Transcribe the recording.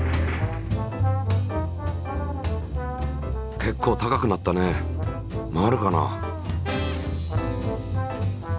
結構高くなったね回るかな？